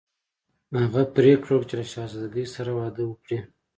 هغه پریکړه وکړه چې له شهزادګۍ سره واده وکړي.